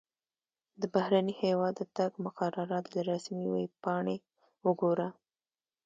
د بهرني هیواد د تګ مقررات له رسمي ویبپاڼې وګوره.